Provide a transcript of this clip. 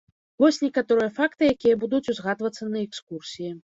Вось некаторыя факты, якія будуць узгадвацца на экскурсіі.